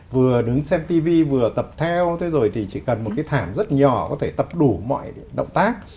vừa đứng xem tv vừa tập theo thế rồi thì chỉ cần một cái thảm rất nhỏ có thể tập đủ mọi động tác